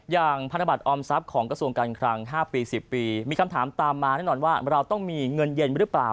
พันธบัตรออมทรัพย์ของกระทรวงการคลัง๕ปี๑๐ปีมีคำถามตามมาแน่นอนว่าเราต้องมีเงินเย็นหรือเปล่า